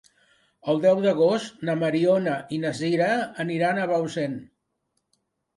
El deu d'agost na Mariona i na Sira aniran a Bausen.